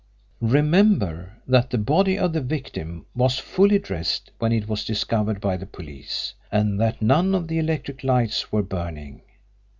Remember that the body of the victim was fully dressed when it was discovered by the police, and that none of the electric lights were burning.